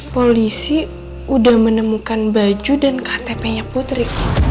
polisi udah menemukan baju dan ktpnya putri